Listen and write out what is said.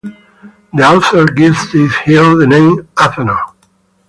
The author gives this hill the name "Athanor".